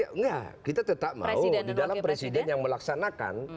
ya enggak kita tetap mau di dalam presiden yang melaksanakan